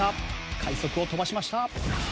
快足を飛ばしました。